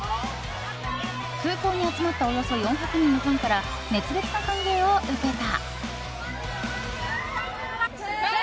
空港に集まったおよそ４００人のファンから熱烈な歓迎を受けた。